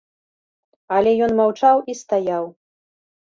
Але ён маўчаў і стаяў.